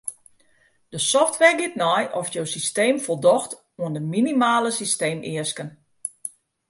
De software giet nei oft jo systeem foldocht oan de minimale systeemeasken.